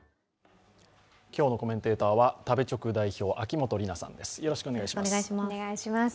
今日のコメンテーターは食べチョク代表秋元里奈さんです。